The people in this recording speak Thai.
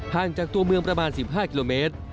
ห้างจากตัวเมืองประมาณสิบห้ากิโลเมตร